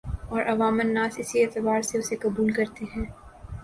اور عوام الناس اسی اعتبار سے اسے قبول کرتے ہیں